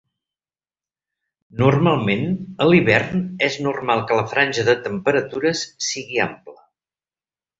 Normalment, a l'hivern és normal que la franja de temperatures sigui ampla.